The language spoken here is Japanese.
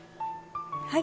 はい。